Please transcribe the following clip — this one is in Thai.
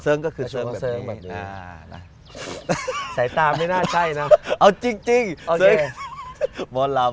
เสิร์งก็คือเสิร์งแบบนี้สายตาไม่น่าใช่นะเอาจริงอ่ะเฮ้ยหมอลำ